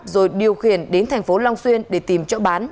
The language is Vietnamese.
rồi điều khiển đến thành phố long xuyên để tìm chỗ bán